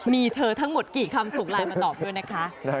มีเธอทั้งหมดกี่คำส่งไลน์มาตอบด้วยนะคะ